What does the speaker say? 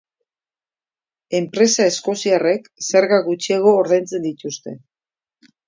Enpresa eskoziarrek zerga gutxiago ordaintzen dituzte.